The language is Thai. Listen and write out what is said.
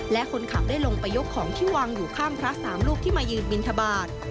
และคนขับได้ลงไปยกของที่วางอยู่ข้างพระสามลูกที่มายืนบินทบาท